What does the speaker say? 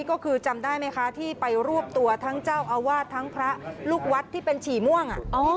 ก็คือจำได้ไหมคะที่ไปรวบตัวทั้งเจ้าอาวาสทั้งพระลูกวัดที่เป็นฉี่ม่วง